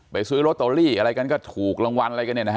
ซื้อลอตเตอรี่อะไรกันก็ถูกรางวัลอะไรกันเนี่ยนะฮะ